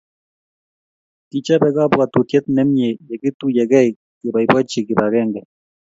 kichobe kobwotutiet nemie ye kituiyegeei keboibochii kip agenge